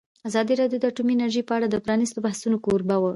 ازادي راډیو د اټومي انرژي په اړه د پرانیستو بحثونو کوربه وه.